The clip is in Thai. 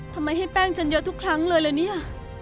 ทำไมให้แป้งฉันเยอะทุกครั้งเลยละเนี่ย